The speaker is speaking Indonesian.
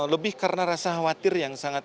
lebih karena rasa khawatir yang sangat